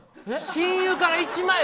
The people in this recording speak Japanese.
親友から１万円。